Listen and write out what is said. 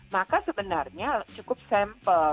maka sebenarnya cukup sampel